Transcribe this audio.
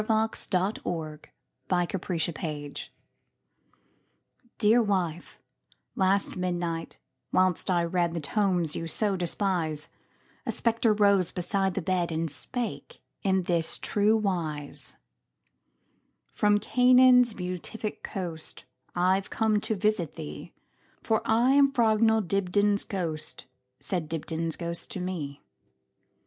By EugeneField 1045 Dibdin's Ghost DEAR wife, last midnight, whilst I readThe tomes you so despise,A spectre rose beside the bed, And spake in this true wise:"From Canaan's beatific coastI 've come to visit thee, For I am Frognall Dibdin's ghost,"Says Dibdin's ghost to me.